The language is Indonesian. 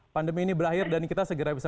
pandemi ini berakhir dan kita segera bisa